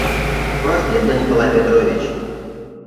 Проститле, Николай Петрович.